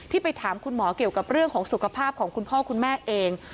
ไปถามคุณหมอเกี่ยวกับเรื่องของสุขภาพของคุณพ่อคุณแม่เอง